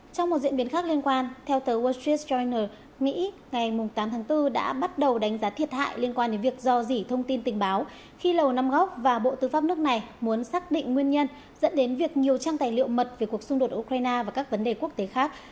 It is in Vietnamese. trong một diễn biến khác liên quan theo tờ waltress china mỹ ngày tám tháng bốn đã bắt đầu đánh giá thiệt hại liên quan đến việc do dỉ thông tin tình báo khi lầu năm góc và bộ tư pháp nước này muốn xác định nguyên nhân dẫn đến việc nhiều trang tài liệu mật về cuộc xung đột ukraine và các vấn đề quốc tế khác